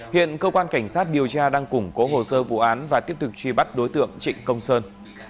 hiện cơ quan cảnh sát điều tra đang củng cố hồ sơ vụ án và tiếp tục truy bắt đối tượng trịnh công sơn